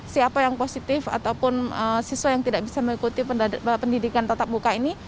siapa yang positif ataupun siswa yang tidak bisa mengikuti pendidikan tatap muka ini